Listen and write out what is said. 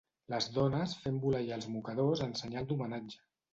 Les dones fent voleiar els mocadors en senyal d'homenatge